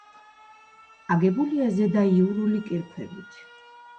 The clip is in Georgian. აგებულია ზედაიურული კირქვებით.